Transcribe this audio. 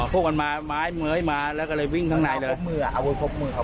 พวกมันมาเมือยมาแล้วเลยวิ่งข้างในเลย